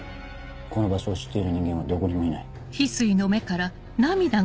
この場所を知っている人間はどこにもいない。